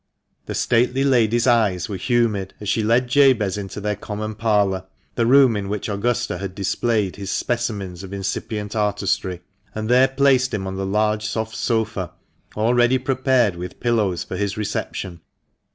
The stately lady's eyes were humid as she led Jabez into their common parlour (the room in which Augusta had displayed his specimens of incipient artistryX and there placed him on the large soft sofa, already prepared with pillows for his reception.